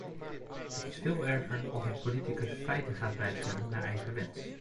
Het is veel erger als een politicus feiten gaat bijstellen naar eigen wens.